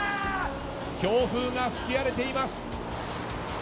強風が吹き荒れています。